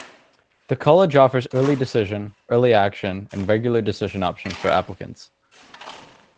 The College offers Early Decision, Early Action and Regular Decision options for applicants.